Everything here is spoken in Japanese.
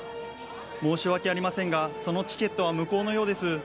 申し訳ありませんがそのチケットは無効のようです。